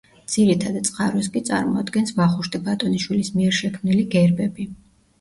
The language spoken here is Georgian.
ძირითად წყაროს კი წარმოადგენს ვახუშტი ბატონიშვილის მიერ შექმნილი გერბები.